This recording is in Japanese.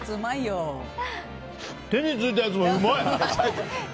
手についたやつもうまい！